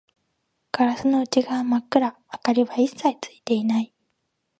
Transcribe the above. ガラスの内側は真っ暗、明かりは一切ついていない